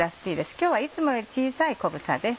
今日はいつもより小さい小房です。